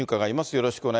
よろしくお願